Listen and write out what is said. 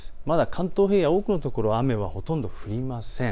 関東平野、多くの所、雨はほとんど降りません。